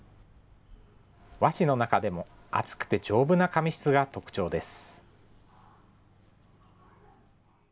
和紙の中でも、厚くて丈夫な紙質が特徴です。